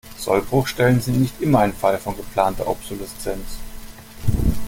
Sollbruchstellen sind nicht immer ein Fall von geplanter Obsoleszenz.